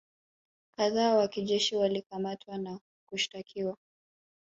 kadhaa wa kijeshi walikamatwa na kushtakiwa